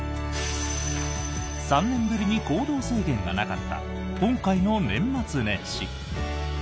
３年ぶりに行動制限がなかった今回の年末年始。